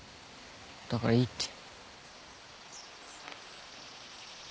だからいいって。